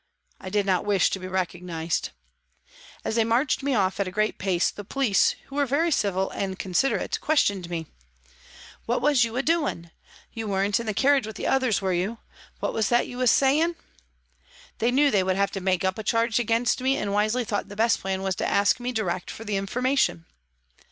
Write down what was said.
I did not wish to be recognised. As they marched me off at a great pace, the police, who were very civil and considerate, ques tioned me :" What was you a doin' ? You weren't in the carriage with the others, were you ? What was that you was sayin' ?" They knew they would have to make up a charge against me, and wisely thought the best plan was to ask me direct for information